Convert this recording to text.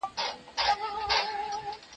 زه به اوږده موده د يادښتونه بشپړ کړم،